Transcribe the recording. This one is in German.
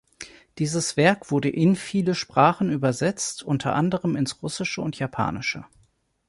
Dieses Werk wurde in viele Sprachen übersetzt, unter anderem ins Russische und Japanische.